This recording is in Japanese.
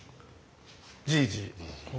じいじ。